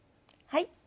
はい。